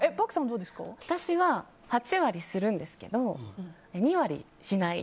私は８割するんですけど２割しない。